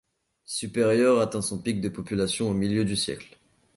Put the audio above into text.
Superior atteint son pic de population au milieu du siècle.